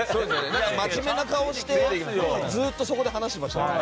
真面目な顔してずっと話してましたよね。